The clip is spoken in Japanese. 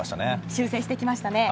修正してきました。